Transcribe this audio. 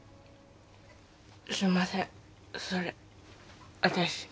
すいませんそれ私。